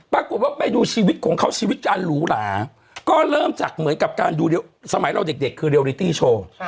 ไปดูชีวิตของเขาชีวิตอาจารย์หรูหราก็เริ่มจากเหมือนกับการดูสมัยเราเด็กคือเรียริตี้โชว์